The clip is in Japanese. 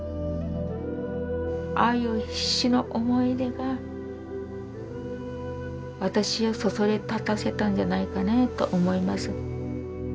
ああいう必死の思い入れが私をそそり立たせたんじゃないかなと思います。